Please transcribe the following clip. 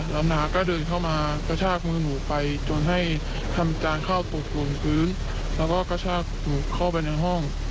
แล้วก็กระชากหนูเข้าไปในห้อง